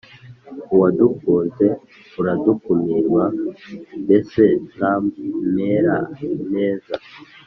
uwadukunze urudakumirwa mbese tmera neza